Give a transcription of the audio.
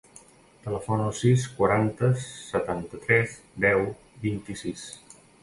Telefona al sis, quaranta, setanta-tres, deu, vint-i-sis.